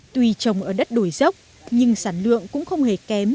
tuy trồng ở đất đồi dốc nhưng sản lượng cũng không hề kém